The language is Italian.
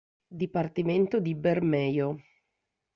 Dipartimento di Bermejo